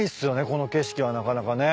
この景色はなかなかね。